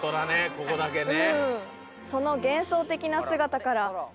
ここだけね。